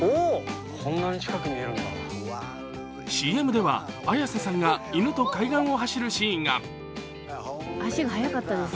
ＣＭでは綾瀬さんが犬と階段を走るシーンが。